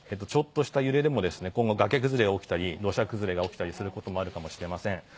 ちょっとした揺れでも今後、崖崩れが起きたり土砂崩れが起きたりすることもあるかもしれません。